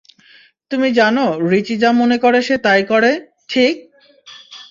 তুমি জানো, রিচি যা মনে করে সে তাই করে, ঠিক?